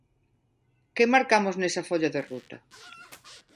¿Que marcamos nesa folla de ruta?